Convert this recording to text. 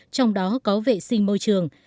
trong đó có vệ sinh môi trường